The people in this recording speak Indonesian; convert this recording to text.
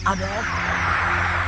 bangunlah tuhan adon